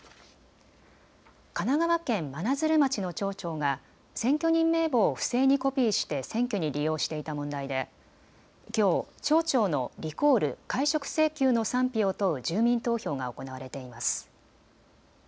神奈川県真鶴町の町長が選挙人名簿を不正にコピーして選挙に利用していた問題できょう町長のリコール・解職請求の賛否を問う住民投票が行われています。